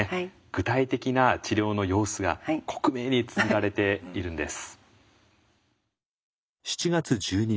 具体的な治療の様子が克明につづられているんです。